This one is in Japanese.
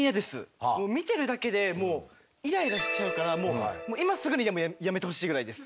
見てるだけでイライラしちゃうから今すぐにでもやめてほしいぐらいです。